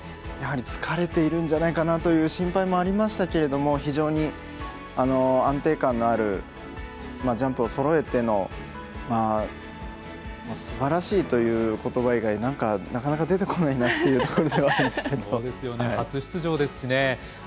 やはり疲れているんじゃないかなという心配もありましたけど非常に安定感のあるジャンプをそろえてのすばらしいということば以外なんか、なかなか出てこないな初出場ですしね。